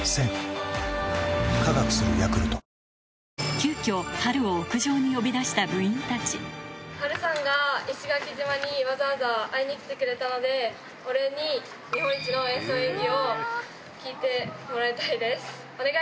急きょ、波瑠さんが、石垣島にわざわざ会いに来てくれたので、お礼に、日本一の演奏演技を聴いてもらいたいです。